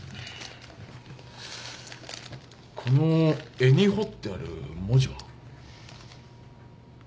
この柄に彫ってある文字は？